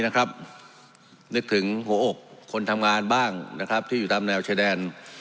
นึกถึงหัวอกคนทำงานบ้างที่อยู่ตามแนวชายแดน